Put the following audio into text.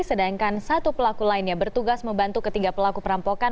sedangkan satu pelaku lainnya bertugas membantu ketiga pelaku perampokan